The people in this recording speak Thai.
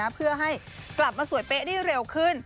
เพื่อให้กลับมาสวยเป๊ะได้เร็วขึ้น